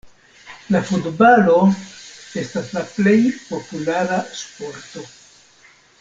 La futbalo estas la plej populara sporto.